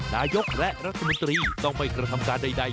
นายกรัฐมนตรีต้องไม่กระทำการใด